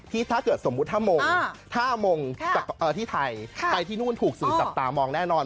ถ้าเกิดสมมุติถ้ามงจากที่ไทยไปที่นู่นถูกสื่อจับตามองแน่นอน